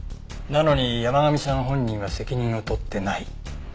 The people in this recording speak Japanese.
なのに山神さん本人は責任を取ってない。